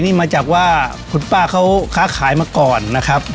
นี่มาจากว่าคุณป้าเขาค้าขายมาก่อนนะครับ